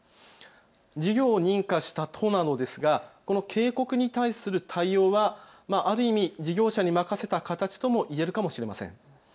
事業を認可した都なのですがこの警告に対する対応はある意味、事業者に任せた形とも言えるかもしれません。